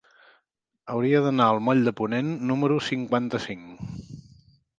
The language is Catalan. Hauria d'anar al moll de Ponent número cinquanta-cinc.